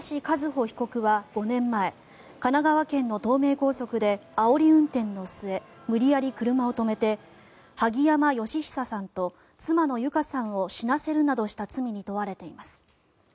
和歩被告は５年前神奈川県の東名高速であおり運転の末無理やり車を止めて萩山嘉久さんと妻の友香さんを死なせるなどした罪に問われています。